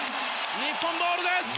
日本ボールです！